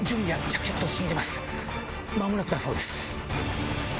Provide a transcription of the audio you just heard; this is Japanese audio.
間もなくだそうです。